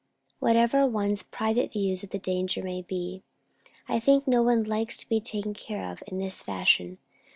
Whatever one's private views of the danger may be, I think no one likes to be taken care of in this fashion.